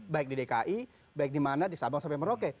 baik di dki baik di mana di sabang sampai merauke